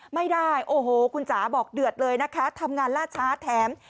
ไม่ได้โอ้โหคุณจ๋าบอกเดือดเลยนะคะทำงานล่าช้าแถม